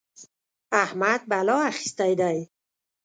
احمد بلا اخيستی دی.